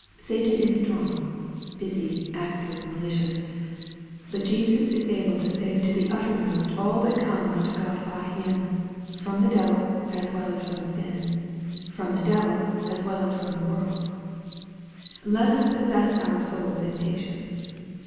Satan is strong, busy, active, malicious. But Jesus is able to save to the uttermost all that come unto God by Him from the devil, as well as from sin from the devil, as well as from the world Let us possess our souls in patience.